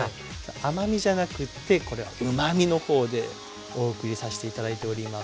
甘みじゃなくってこれはうまみの方でお送りさして頂いております。